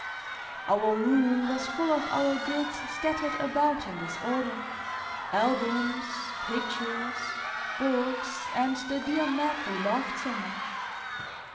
Our room was full of our goods scattered about in disorder, albums, pictures, books, and the dear map we loved so much.